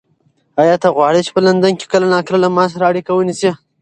ایا ته غواړې چې په لندن کې کله ناکله له ما سره اړیکه ونیسې؟